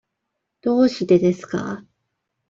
どうしてですか。